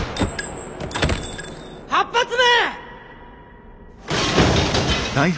８発目！